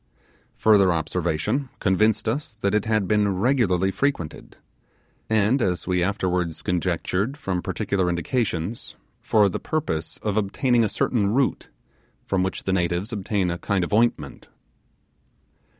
Further observation convinced us that it had been regularly frequented, and, as we afterwards conjectured from particular indications, for the purpose of obtaining a certain root, from which the natives obtained a kind of ointment.